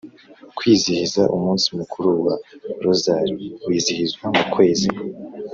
kwizihizwa umunsi mukuru wa rozali, wizihizwa mu kwezi